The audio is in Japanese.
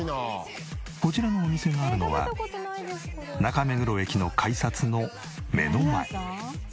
こちらのお店があるのは中目黒駅の改札の目の前。